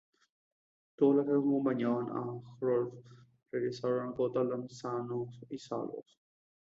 Todos los que acompañaban a Hrólfr regresaron a Götaland sanos y salvos.